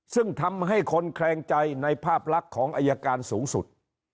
ซึ่งทำให้คนแคลงใจในภาพลักษณ์ของอายการสูงสุด